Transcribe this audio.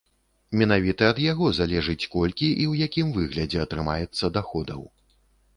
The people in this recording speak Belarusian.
Менавіта ад яго залежыць, колькі і ў якім выглядзе атрымаецца адходаў.